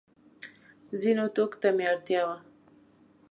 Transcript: ځینو توکو ته مې اړتیا وه.